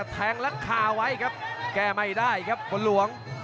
แทงรัดคาไว้ครับแก้ไม่ได้ครับคนหลวง